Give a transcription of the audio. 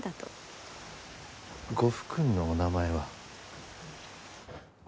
ご夫君のお名前は？